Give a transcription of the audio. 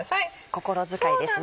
心遣いですね。